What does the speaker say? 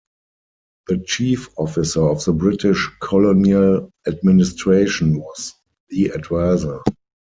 The chief officer of the British colonial administration was the "Advisor".